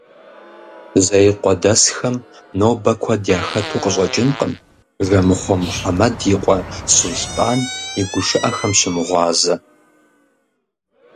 Зеикъуэдэсхэм нобэ куэд яхэту къыщӏэкӏынкъым Жэмыхъуэ Мухьэмэд и къуэ Сулътӏан и гушыӏэхэм щымыгъуазэ.